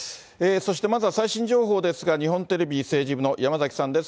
そしてまずは最新情報ですが、日本テレビ政治部の山崎さんです。